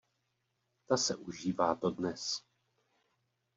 Ta se užívá dodnes.